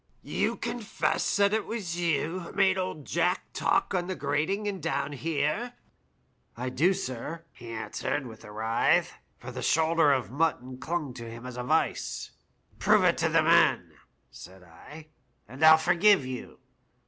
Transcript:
"* You confess that it was yon who made old Jack talk on the grating and down here ?'"' I do, sir,' he answered, with a writhe, for the shoulder of mutton clung to him as a vice. "' Prove it to the men,' said I, * and I'll forgive you.